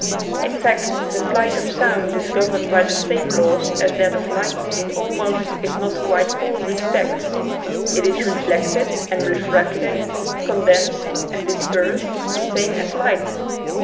In fact, the flight of sound is governed by the same laws as that of light in almost, if not quite, all respects. It is reflected and refracted, condensed and dis persed, the same as light.